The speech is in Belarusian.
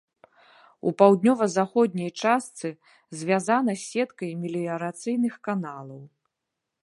У паўднёва-заходняй частцы звязана з сеткай меліярацыйных каналаў.